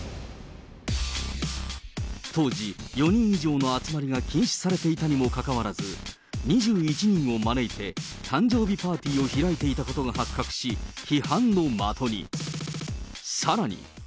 当時、４人以上の集まりが禁止されていたにもかかわらず、２１人を招いて、誕生日パーティーを開いていたことが発覚し、批判のまとに。